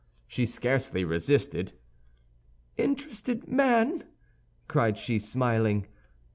She scarcely resisted. "Interested man!" cried she, smiling.